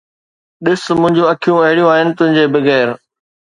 ڏس، منهنجون اکيون اهڙيون آهن، تنهنجي بغير.